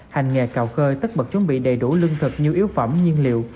hành nghề cào khơi tất bật chuẩn bị đầy đủ lương thực như yếu phẩm nhiên liệu